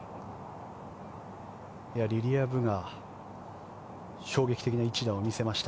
リリア・ブが衝撃的な一打を見せました。